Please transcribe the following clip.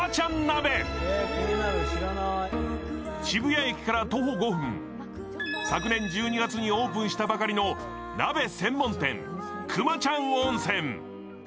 渋谷駅から徒歩５分、昨年１２月にオープンしたばかりの鍋専門店、くまちゃん温泉。